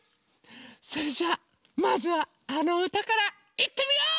それじゃあまずはあのうたからいってみよう！